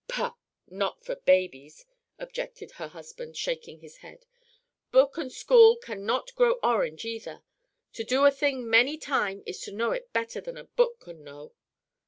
"Pah! Not for babies," objected her husband, shaking his head. "Book an' school can not grow orange, either. To do a thing many time ees to know it better than a book can know."